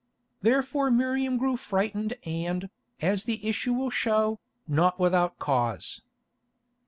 Therefore Miriam grew frightened and, as the issue will show, not without cause.